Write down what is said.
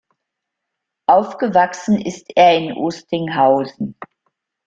Aufgewachsen ist er in Oestinghausen.